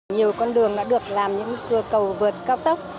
nhiều con đường đã được làm những cầu vượt cao tốc